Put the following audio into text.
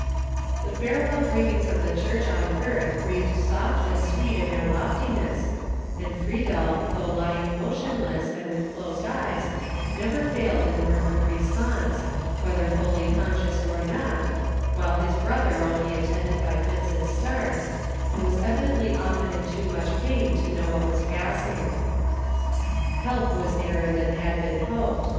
The farewell greetings of the Church on earth breathed soft and sweet in their loftiness, and Friedel, though lying motionless, and with closed eyes, never failed in the murmured response, whether fully conscious or not, while his brother only attended by fits and starts, and was evidently often in too much pain to know what was passing. Help was nearer than had been hoped.